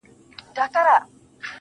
و ماته به د دې وطن د کاڼو ضرورت سي